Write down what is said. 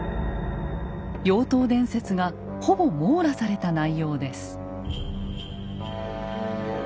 妖刀伝説がほぼ網羅された内容です。